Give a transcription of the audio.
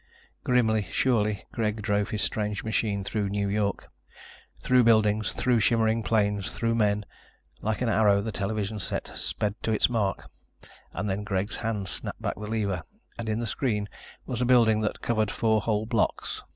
Grimly, surely, Greg drove his strange machine through New York. Through buildings, through shimmering planes, through men. Like an arrow the television set sped to its mark and then Greg's hand snapped back the lever and in the screen was a building that covered four whole blocks.